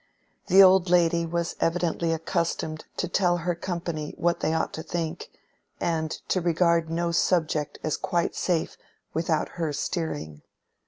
The old lady was evidently accustomed to tell her company what they ought to think, and to regard no subject as quite safe without her steering.